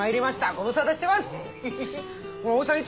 ご無沙汰してます！